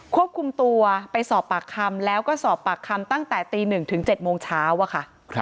ควบคุมตัวไปสอบปากคำแล้วก็สอบปากคำตั้งแต่ตี๑ถึง๗โมงเช้าอะค่ะ